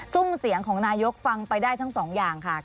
ซุ่มเสียงของนายกฟังไปได้ทั้งสองอย่างค่ะ